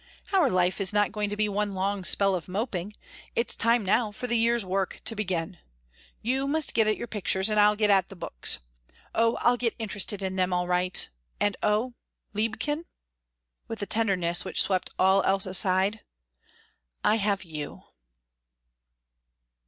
"Our life is not going to be one long spell of moping. It's time now for the year's work to begin. You must get at your pictures, and I'll get at the books. Oh, I'll get interested in them, all right and oh, liebchen" with a tenderness which swept all else aside "I have _you!